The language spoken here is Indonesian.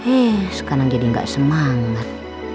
eh sekarang jadi gak semangat